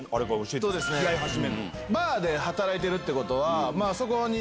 バーで働いてるってことは。